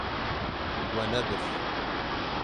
We nebir.